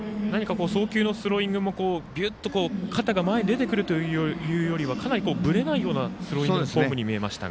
送球のスローイングもビュッと肩が前に出てくるというよりはかなりぶれないようなスローイングにも見えましたが。